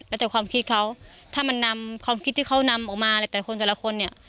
แล้วแต่ความคิดเขาถ้ามันนำความคิดที่เขานำออกมาอะไรแต่คนแต่ละคนเนี่ย